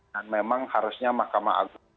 dan memang harusnya makam agung